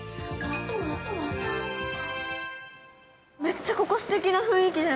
めっちゃここ、すてきな雰囲